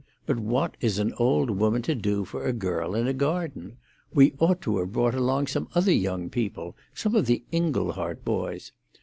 But what is an old woman to do for a girl in a garden? We ought to have brought some other young people—some of the Inglehart boys.